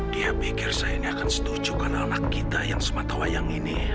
dia pikir saya ini akan setuju karena anak kita yang sematawayang ini